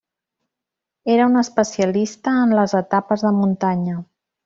Era un especialista en les etapes de muntanya.